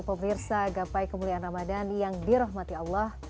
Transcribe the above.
pemirsa gapai kemuliaan ramadan yang dirahmati allah